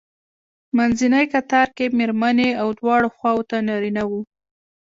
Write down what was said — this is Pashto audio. منځنی کتار کې مېرمنې او دواړو خواوو ته نارینه وو.